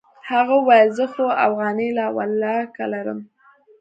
هغه وويل زه خو اوغانۍ لا ولله که لرم.